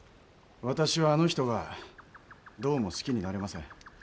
私はあの人がどうも好きになれません。